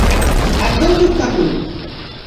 একদম চুপ থাকুন!